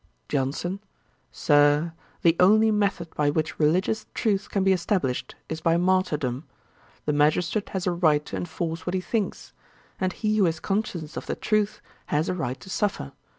JOHNSON. 'Sir, the only method by which religious truth can be established is by martyrdom. The magistrate has a right to enforce what he thinks; and he who is conscious of the truth has a right to suffer.